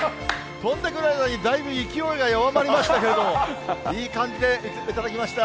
飛んでくる間にだいぶ勢いが弱まりましたけれども、いい感じで頂きました。